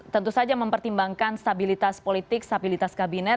tentu saja mempertimbangkan stabilitas politik stabilitas kabinet